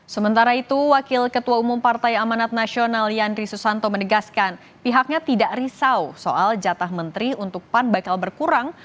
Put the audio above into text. sementara itu wakil ketua umum partai amanat nasional yandri susanto menegaskan pihaknya tidak risau soal jatah menteri untuk pan bakal berkurang